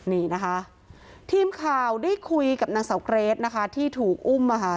นี่นะคะทีมข่าวได้คุยกับนางเสาเกรทนะคะที่ถูกอุ้มมาค่ะ